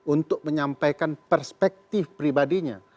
untuk menyampaikan perspektif pribadinya